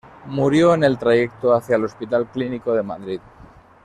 Murió en el trayecto hacia el Hospital Clínico de Madrid.